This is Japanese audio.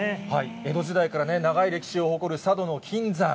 江戸時代から長い歴史を誇る佐渡島の金山。